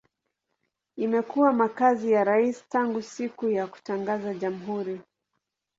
Imekuwa makazi ya rais tangu siku ya kutangaza jamhuri.